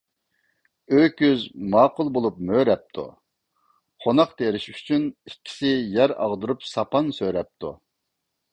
ئۆكۈز ماقۇل بولۇپ مۆرەپتۇ. قوناق تېرىش ئۈچۈن ئىككىسى يەر ئاغدۇرۇپ ساپان سۆرەپتۇ.